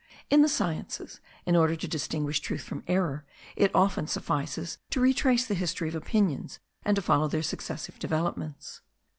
In the sciences, in order to distinguish truth from error, it often suffices to retrace the history of opinions, and to follow their successive developments.